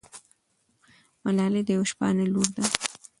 ملالۍ د یوه شپانه لور ده.